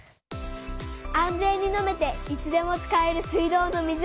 安全に飲めていつでも使える水道の水。